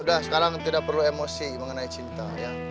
udah sekarang tidak perlu emosi mengenai cinta